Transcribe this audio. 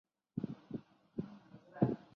兴隆观和峨嵋山下的佛教寺院兴善寺齐名。